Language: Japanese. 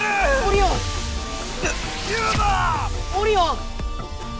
オリオン！